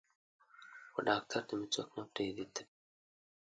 وډاکتر ته مې څوک نه پریږدي تپیږم